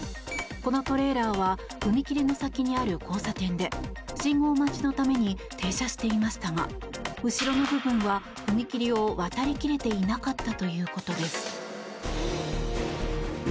このトレーラーは踏切の先にある交差点で信号待ちのために停車していましたが後ろの部分は踏切を渡り切れていなかったということです。